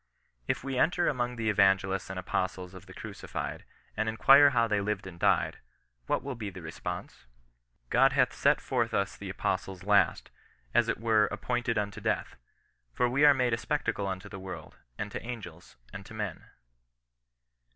If we enter among the evangelists and apostles of the Crucified, and inquire how they lived and died, what will be the response s " God hath set forth us the apostles last, as it were appointed unto death : for we are made a spectacle unto the world, and to angels, and to men."